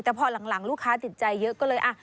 แต่พอหลังลูกค้าติดใจเยอะก็เลย